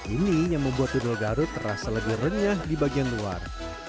ini yang membuat dodol garut terasa lebih renyah di bagian luar